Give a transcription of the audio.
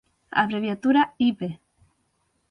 A abreviatura ib.